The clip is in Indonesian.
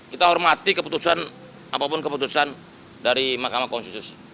kita hormati keputusan apapun keputusan dari mahkamah konstitusi